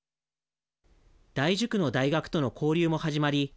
大樹区の大学との交流も始まり